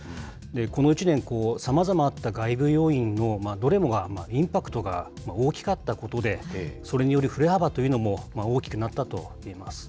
この一年、さまざまあった外部要因のどれもがインパクトが大きかったことで、それによる振れ幅というのも大きくなったといえます。